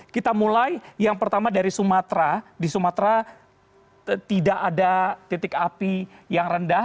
kita mulai yang pertama dari sumatera di sumatera tidak ada titik api yang rendah